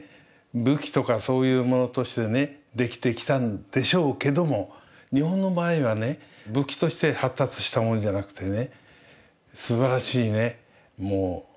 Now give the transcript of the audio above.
武器とかそういうものとしてねできてきたんでしょうけども日本の場合はね武器として発達したものじゃなくてね